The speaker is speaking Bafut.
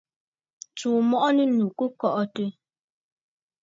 Tsùu mɔʼɔ nɨ̂ ànnù kɨ kɔʼɔtə̂.